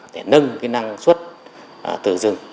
để nâng năng suất từ rừng